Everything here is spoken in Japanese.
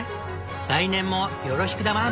来年もよろしくだワン！」。